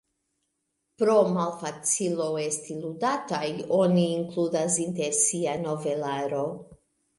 Pro malfacilo esti ludataj oni inkludas inter sia novelaro.